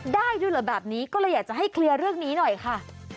ได้ด้วยเหรอแบบนี้ก็เลยอยากจะให้เคลียร์เรื่องนี้หน่อยค่ะ